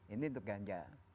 ini untuk ganja